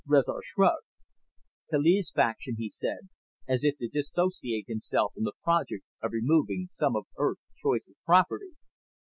Rezar shrugged. "Kaliz's faction," he said, as if to dissociate himself from the project of removing some of Earth's choicest property.